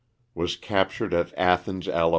Was captured at Athens, Ala.